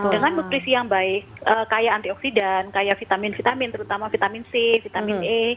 dengan nutrisi yang baik kayak antioksidan kayak vitamin vitamin terutama vitamin c vitamin e